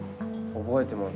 覚えてます。